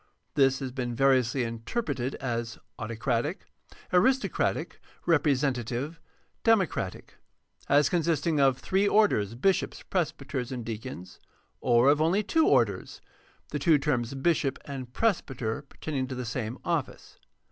This has been variously interpreted as autocratic, aristocratic, representative, democratic; as con sisting of three orders, bishops, presbyters, and deacons, or of only two orders, the two terms, bishop and presbyter, pertaining to the same office.